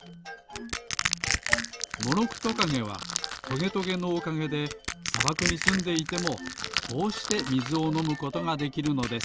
モロクトカゲはトゲトゲのおかげでさばくにすんでいてもこうしてみずをのむことができるのです。